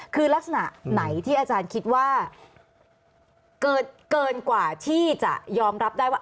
คือลักษณะไหนที่อาจารย์คิดว่าเกินกว่าที่จะยอมรับได้ว่า